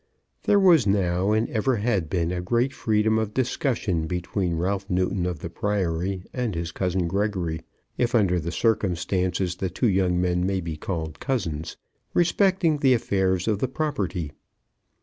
There was now, and ever had been, great freedom of discussion between Ralph Newton of the Priory and his cousin Gregory, if under the circumstances the two young men may be called cousins, respecting the affairs of the property.